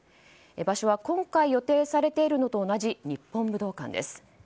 場所は今回予定されているのと同じ日本武道館。